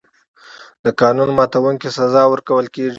د قانون ماتونکي سزا ورکول کېږي.